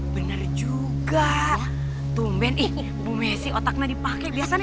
bener juga tumben ikut mesi otaknya dipakai biasanya